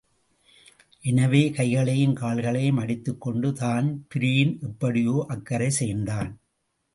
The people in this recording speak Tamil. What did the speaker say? எனவே கைகளையும் கால்களையும் அடித்துக் கொண்டு தான்பிரீன் எப்படியோ அக்கரைசேர்ந்தான்.